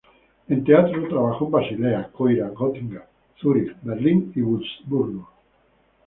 En teatro trabajó en Basilea, Coira, Gotinga, Zúrich, Berlín y Wurzburgo.